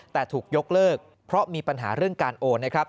แต่ถูกยกเลิกเพราะมีปัญหาเรื่องการโอนนะครับ